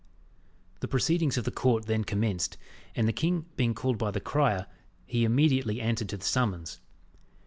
The proceedings of the court then commenced, and the king being called by the crier, he immediately answered to the summons.